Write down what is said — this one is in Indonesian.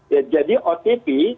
ya jadi otp